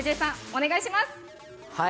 お願いします。